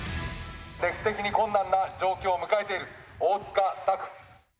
歴史的に困難な状況を迎えている大塚拓。